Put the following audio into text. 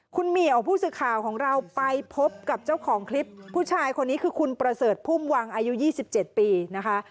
คุณเหมียวผู้สื่อข่าวของเราไปพบกับเจ้าของคลิปผู้ชายคนนี้คือคุณประเสริฐพุ่มวังอายุ๒๗ปีนะคะ